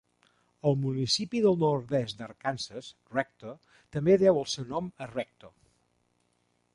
El municipi del nord-est d'Arkansas, Rector, també deu el seu nom a Rector.